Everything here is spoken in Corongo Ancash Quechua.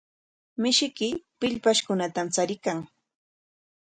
Mishiyki pillpashkunatam chariykan.